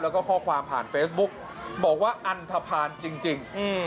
แล้วก็ข้อความผ่านเฟซบุ๊กบอกว่าอันทภาณจริง